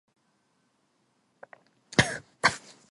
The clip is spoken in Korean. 첫째는 술 말을 들으니 목이 더 타는 듯하였다.